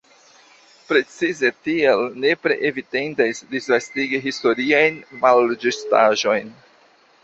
Precize tial nepre evitendas disvastigi historiajn malĝustaĵojn.